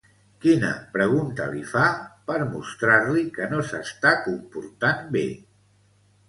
Quina pregunta li fa, per mostrar-li que no s'està comportant bé?